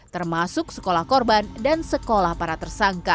termasuk sekolah korban dan sekolah para tersangka